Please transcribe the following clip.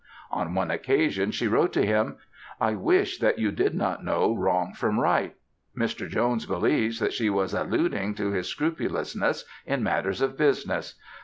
On one occasion she wrote to him, "I wish that you did not know wrong from right." Mr. Jones believes that she was alluding to his scrupulousness in matters of business.